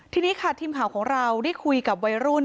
ทีนี้ค่ะทีมข่าวของเราได้คุยกับวัยรุ่น